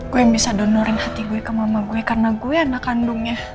gue yang bisa donorin hati gue ke mama gue karena gue anak kandungnya